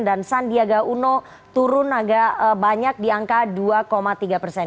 dan sandiaga uno turun agak banyak di angka dua tiga persen